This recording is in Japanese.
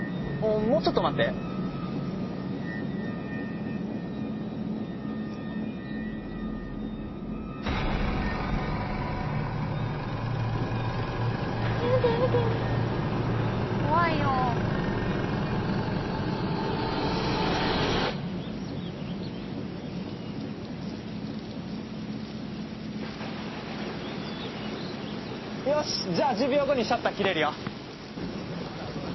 もうちょっと待ってよしじゃあ１０秒後にシャッター切れるよほらほら